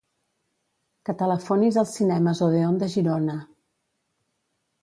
Que telefonis als Cinemes Odeón de Girona.